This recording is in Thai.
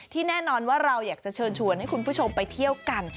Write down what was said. แน่นอนว่าเราอยากจะเชิญชวนให้คุณผู้ชมไปเที่ยวกัน